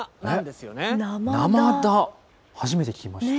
初めて聞きました。